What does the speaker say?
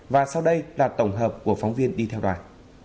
và sau đây là tổng hợp của phóng viên đi theo đoàn